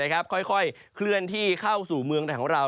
ค่อยเคลื่อนที่เข้าสู่เมืองแถงเวลา